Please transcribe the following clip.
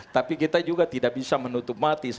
tapi kita juga tidak bisa menutup mata